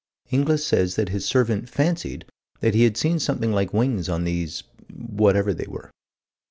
Inglis says that his servant "fancied" that he had seen something like wings on these whatever they were.